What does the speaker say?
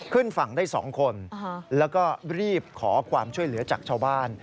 ขึ้นฝั่งได้๒คนแล้วก็รีบขอความช่วยเหลือจากชาวบ้าน